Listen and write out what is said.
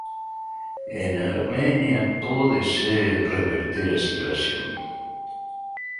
En Armenia pódese reverter a situación.